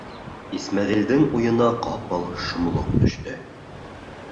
Исмәғилдең уйына ҡапыл шомлоҡ төштө: